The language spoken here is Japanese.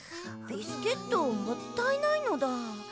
ビスケットもったいないのだ。